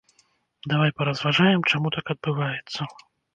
Давай паразважаем, чаму так адбываецца!